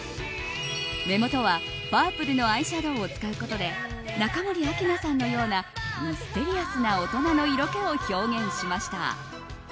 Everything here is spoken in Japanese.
目元はパープルのアイシャドーを使うことで中森明菜さんのようなミステリアスな大人の色気を表現しました。